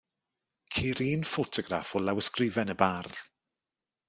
Ceir un ffotograff o lawysgrifen y bardd.